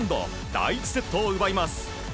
第１セットを奪います。